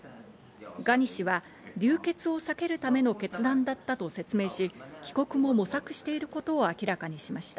ガニ氏は流血を避けるための決断だったと説明し、帰国も模索していることを明らかにしました。